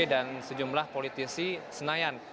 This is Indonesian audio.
dan sejumlah politisi senayan